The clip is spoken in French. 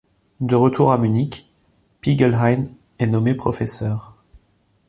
De retour à Munich, Piglhein est nommé professeur.